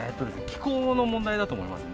気候の問題だと思いますね。